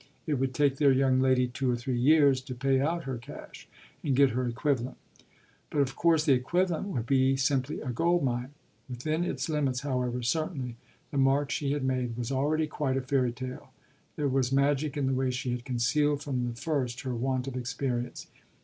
It would take their young lady two or three years to pay out her cash and get her equivalent. But of course the equivalent would be simply a gold mine. Within its limits, however, certainly, the mark she had made was already quite a fairy tale: there was magic in the way she had concealed from the first her want of experience.